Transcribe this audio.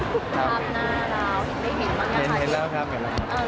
ภาพหน้าเราไม่เห็นบ้างนะครับ